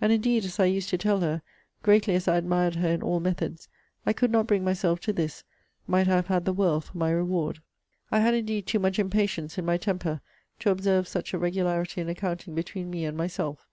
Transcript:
And indeed, as I used to tell her, greatly as I admired her in all methods, I could not bring myself to this, might I have had the world for my reward. I had indeed too much impatience in my temper, to observe such a regularity in accounting between me and myself.